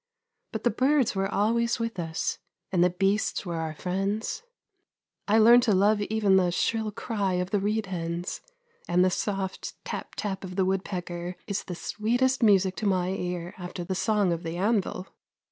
But the birds were always with us, and the beasts were our friends. I learned to love even the shrill cry of the reed hens, and the soft tap tap of the woodpecker is the sweetest music to my ear after the song of the anvil.